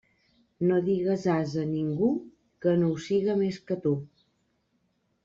No digues ase a ningú que no ho siga més que tu.